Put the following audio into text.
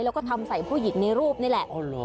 แล้วก็ทำใส่ผู้หญิงในรูปนี่แหละ